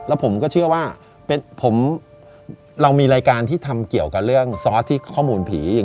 แล้วผมก็เชื่อว่าเรามีรายการที่ทำเกี่ยวกับเรื่องซอสที่ข้อมูลผี